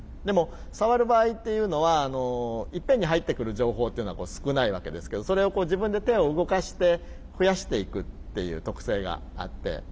でもさわる場合っていうのはいっぺんに入ってくる情報っていうのは少ないわけですけどそれを自分で手を動かして増やしていくっていう特性があって。